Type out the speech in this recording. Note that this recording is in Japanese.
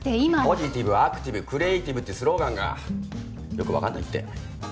ポジティブアクティブクリエイティブってスローガンがよくわからないって。